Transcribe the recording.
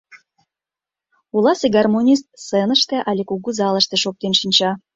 Оласе гармонист сценыште але кугу залыште шоктен шинча.